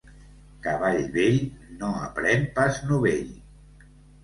Cavall vell no aprèn pas novell.